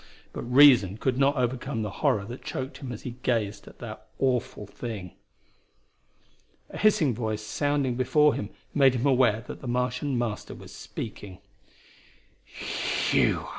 But reason could not overcome the horror that choked him as he gazed at the awful thing. A hissing voice sounding before him made him aware that the Martian Master was speaking.